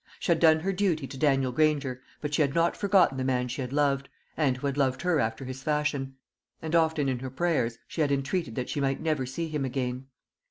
She had done her duty to Daniel Granger; but she had not forgotten the man she had loved, and who had loved her after his fashion; and often in her prayers she had entreated that she might never see him again.